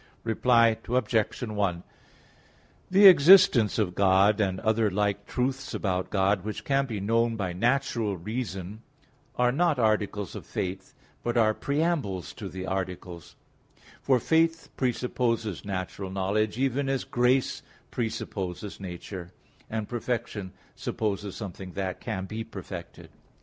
Reply Obj. 1: The existence of God and other like truths about God, which can be known by natural reason, are not articles of faith, but are preambles to the articles; for faith presupposes natural knowledge, even as grace presupposes nature, and perfection supposes something that can be perfected.